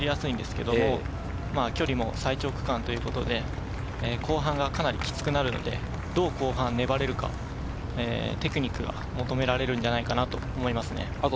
前半は下り基調で比較的速いペースで走りやすいんですけども、距離も最長区間ということで後半がかなりきつくなるので、どう後半粘れるか、テクニックが求められるんじゃないかと思いますね。